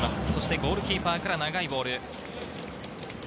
ゴールキーパーから長いボール。